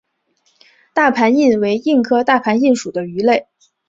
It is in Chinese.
大盘䲟为䲟科大盘䲟属的鱼类。